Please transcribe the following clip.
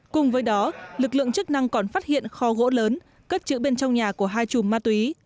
cùng với đó lực lượng chức năng còn phát hiện kho gỗ lớn cất chữ bên trong nhà của hai chùm ma túy